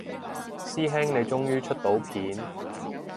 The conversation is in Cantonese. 師兄你終於出到片